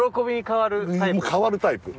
もう変わるタイプ。